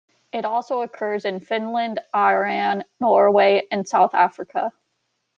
It also occurs in Finland, Iran, Norway, and South Africa.